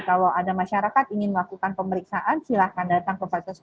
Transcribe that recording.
kalau ada masyarakat ingin melakukan pemeriksaan silahkan datang ke proses pelayanan kesehatan